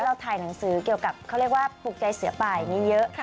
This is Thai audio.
เราถ่ายหนังสือเกี่ยวกับเขาเรียกว่าปลูกใจเสือป่าอย่างนี้เยอะ